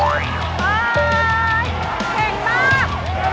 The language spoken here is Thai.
ลูกที่ห้า